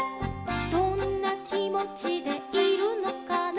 「どんなきもちでいるのかな」